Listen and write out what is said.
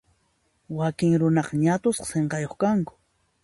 Wakin runaqa ñat'usqa sinqayuq kanku.